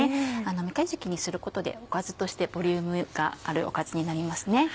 めかじきにすることでおかずとしてボリュームがあるおかずになります。